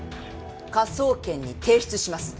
科捜研に提出します。